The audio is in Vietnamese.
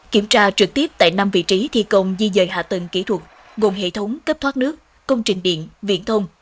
kiểm tra trực tiếp tại năm vị trí thi công di dời hạ tầng kỹ thuật gồm hệ thống cấp thoát nước công trình điện viễn thông